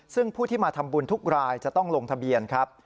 ซึ่งผู้ที่มาทำบุญทุกรายจะต้องลงทะเบียนครับ